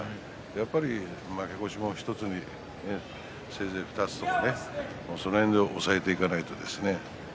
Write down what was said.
やはり負け越しも１つかせいぜい２つ、それぐらいで抑えていかないとね